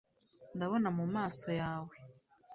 ndabona mu maso yawe